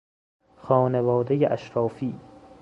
خانوادهی اشرافی